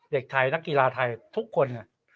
เด็กไทยนักกีฬาไทยทุกคน